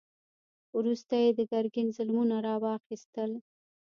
وروسته یې د ګرګین ظلمونه را واخیستل.